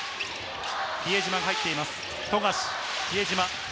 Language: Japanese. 比江島が入っています富樫。